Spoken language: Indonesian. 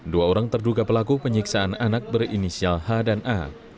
dua orang terduga pelaku penyiksaan anak berinisial h dan a